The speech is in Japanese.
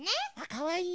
かわいい。